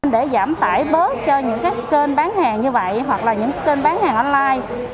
để giảm tải bớt cho những kênh bán hàng như vậy hoặc là những kênh bán hàng online